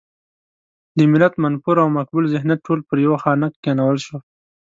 د ملت منفور او مقبول ذهنیت ټول پر يوه خانک کېنول شو.